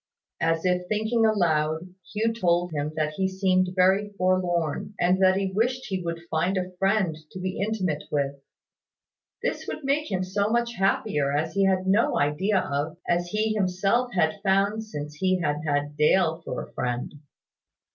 As if thinking aloud, Hugh told him that he seemed very forlorn, and that he wished he would find a friend to be intimate with. This would make him so much happier as he had no idea of; as he himself had found since he had had Dale for a friend.